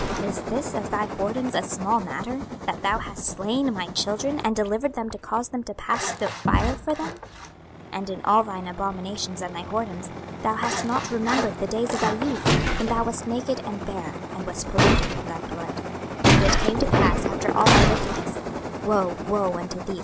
Is this of thy whoredoms a small matter, 26:016:021 That thou hast slain my children, and delivered them to cause them to pass through the fire for them? 26:016:022 And in all thine abominations and thy whoredoms thou hast not remembered the days of thy youth, when thou wast naked and bare, and wast polluted in thy blood. 26:016:023 And it came to pass after all thy wickedness, (woe, woe unto thee!